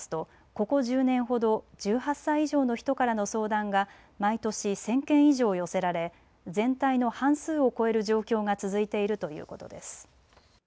ここ１０年ほど１８歳以上の人からの相談が毎年１０００件以上寄せられ全体の半数を超える状況が続いているということです。